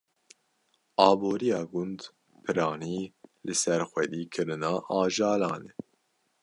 Aborîya gund piranî li ser xwedîkirina ajalan e.